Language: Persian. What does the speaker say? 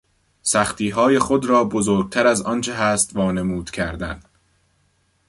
سختیهای خود را بزرگتر از آنچه هست وانمود کردن